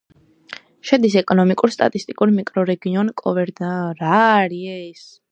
შედის ეკონომიკურ-სტატისტიკურ მიკრორეგიონ გოვერნადორ-ვალადარისის შემადგენლობაში.